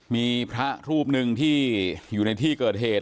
มีพระรูปหนึ่งที่อยู่ในที่เกิดเหตุ